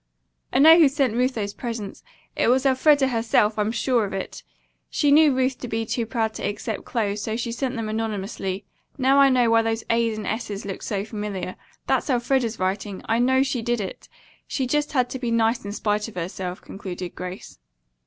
"I know who sent Ruth those presents. It was Elfreda herself. I'm sure of it. She knew Ruth to be too proud to accept clothes, so she sent them anonymously. Now I know why those 'a's' and 's's' looked so familiar. That's Elfreda's writing. I know she did it. She just had to be nice in spite of herself," concluded Grace.